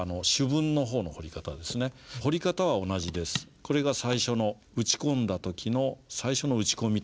これが最初の打ち込んだ時の最初の打ち込み点。